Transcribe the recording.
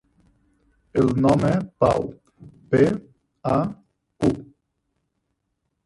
El nom és Pau: pe, a, u.